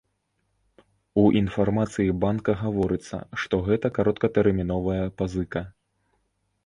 У інфармацыі банка гаворыцца, што гэта кароткатэрміновая пазыка.